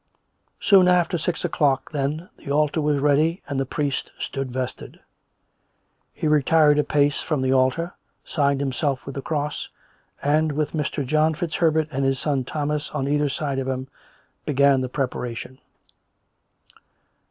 Soon after six o'clock, then, the altar was ready and the priest stood vested. He retired a pace from the altar, signed himself with the cross, and with Mr. John Fitz Herbert and his son Thomas on either side of him, began the preparation.